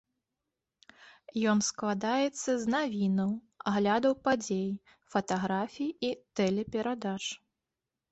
Ён складаецца з навінаў, аглядаў падзей, фатаграфій і тэлеперадач.